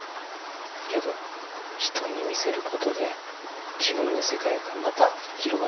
けど人に見せることで自分の世界がまた広がってくんですよね。